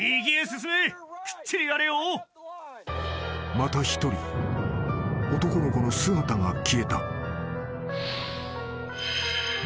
［また１人男の子の姿が消えた］